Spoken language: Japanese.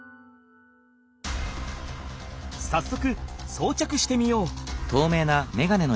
さっそくそうちゃくしてみよう！